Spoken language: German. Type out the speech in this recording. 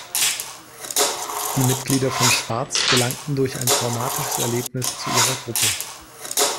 Die Mitglieder von Schwarz gelangten durch ein traumatisches Erlebnis zu ihrer Gruppe.